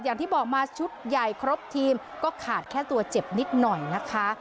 อย่างที่บอกมาชุดใหญ่ครบทีมก็ขาดแค่ตัวเจ็บนิดหน่อยนะคะ